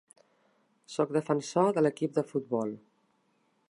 Soc defensor de l'equip de futbol.